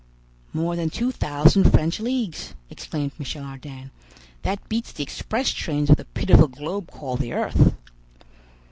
"More than two thousand French leagues," exclaimed Michel Ardan. "That beats the express trains of the pitiful globe called the earth."